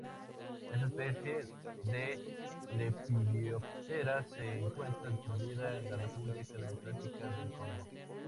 Esta especie de Lepidoptera se encuentra distribuida en la República Democrática del Congo.